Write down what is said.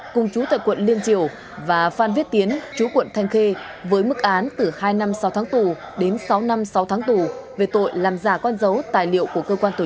cùng chú tại quận liên triều và phan viết tiến chú quận thanh khê với mức án từ hai năm sáu tháng tù đến sáu năm sáu tháng tù về tội làm giả con dấu tài liệu của cơ quan tổ chức